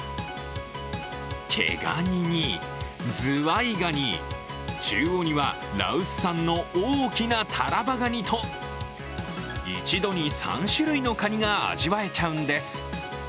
毛ガニに、ズワイガニ、中央には羅臼産の大きなタラバガニと一度に３種類のカニが味わえちゃうんです。